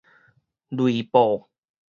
類報